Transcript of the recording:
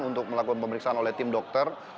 untuk melakukan pemeriksaan oleh tim dokter